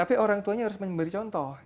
tapi orangtuanya harus memberi contoh